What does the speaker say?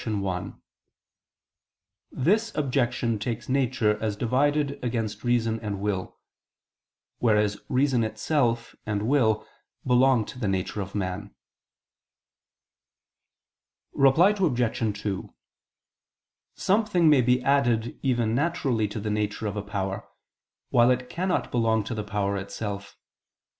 1: This objection takes nature as divided against reason and will; whereas reason itself and will belong to the nature of man. Reply Obj. 2: Something may be added even naturally to the nature of a power, while it cannot belong to the power itself.